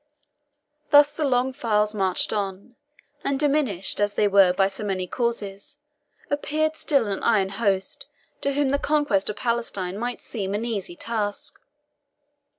Thus the long files marched on, and, diminished as they were by so many causes, appeared still an iron host, to whom the conquest of Palestine might seem an easy task.